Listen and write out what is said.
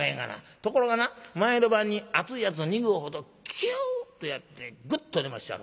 ところがな前の晩に熱いやつを２合ほどキュッとやってグッと寝まっしゃろ。